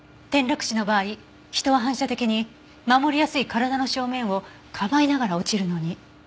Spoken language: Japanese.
転落死の場合人は反射的に守りやすい体の正面をかばいながら落ちるのに。